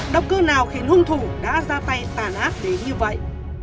độc cơ nào khiến hung thủ đã ra tay tàn ác đến như vậy